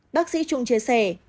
bác sĩ trung chia sẻ